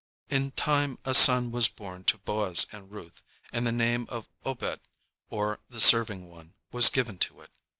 In time a son was born to Boaz and Ruth, and the name of "Obed," or "the serving one," was given to it.